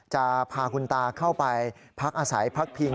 จะพาคุณตาเข้าไปพักอาศัยพักพิง